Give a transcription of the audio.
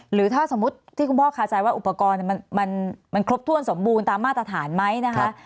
หรือถ้าสมมุติที่คุณพ่อคาใจว่าอุปกรณ์มันครบถ้วนสมบูรณ์ตามมาตรฐานไหมนะคะ